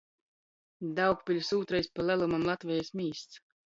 Daugpiļs – ūtrais pa lelumam Latvejis mīsts.